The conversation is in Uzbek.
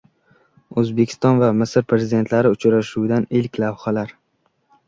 O‘zbekiston va Misr prezidentlari uchrashuvidan ilk lavhalar